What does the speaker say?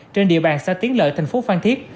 trên địa bàn xã tiến lợi thành phố phan thiết